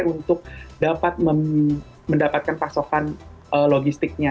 untuk dapat mendapatkan pasokan logistiknya